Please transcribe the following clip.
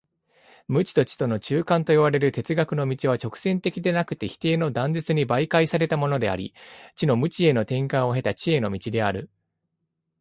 無知と知との中間といわれる哲学の道は直線的でなくて否定の断絶に媒介されたものであり、知の無知への転換を経た知への道である。